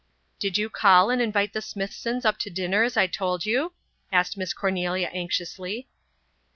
"Did you call and invite the Smithsons up to dinner as I told you?" asked Miss Cornelia anxiously.